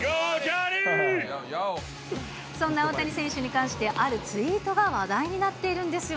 そんな大谷選手に関してあるツイートが話題になっているんですよ